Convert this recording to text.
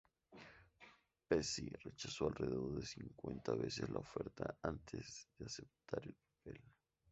Pesci rechazó alrededor de cincuenta veces las ofertas antes de aceptar el papel.